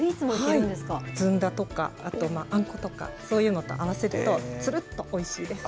ずんだとか、あとあんことか、そういうのと合わせると、つるっとおいしいです。